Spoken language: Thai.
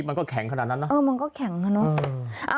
มันก็แข็งขนาดนั้นนะ